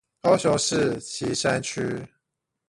高雄市旗山區